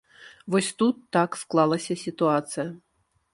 Вось тут так склалася сітуацыя.